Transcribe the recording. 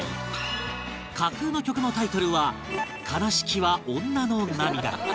架空の曲のタイトルは『哀しきは女の涙』